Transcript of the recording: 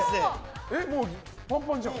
パンパンじゃん。